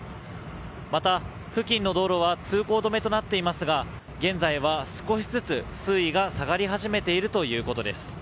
また付近の道路は通行止めとなっていますが現在は少しずつ水位が下がり始めているということです。